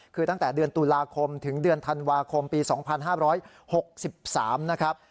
คือตั้งแต่เดือนตุลาคมถึงเดือนธันวาคมปี๒๕๖๓นะครับ